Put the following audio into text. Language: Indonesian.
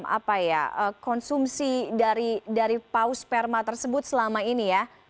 apa ya konsumsi dari paus sperma tersebut selama ini ya